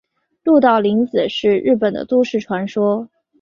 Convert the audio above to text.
鹿岛零子是日本的都市传说。